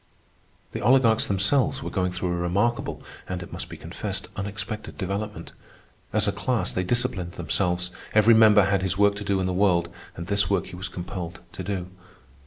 The oligarchs themselves were going through a remarkable and, it must be confessed, unexpected development. As a class, they disciplined themselves. Every member had his work to do in the world, and this work he was compelled to do.